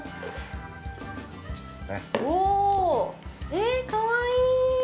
え、かわいい。